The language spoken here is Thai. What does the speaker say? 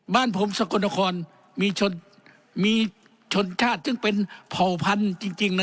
บ้านผมสกลนครมีชนชาติซึ่งเป็นเผ่าพันธุ์จริงนะ